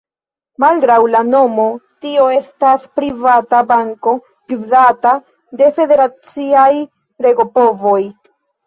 Malgraŭ la nomo tio estas privata banko gvidata de federaciaj regopovoj.